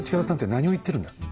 何を言ってるんだ。